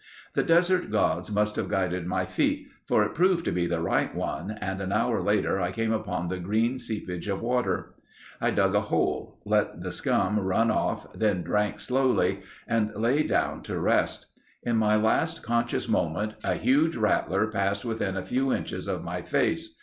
The desert gods must have guided my feet, for it proved to be the right one and an hour later I came upon the green seepage of water. I dug a hole; let the scum run off then drank slowly and lay down to rest. In my last conscious moment a huge rattler passed within a few inches of my face.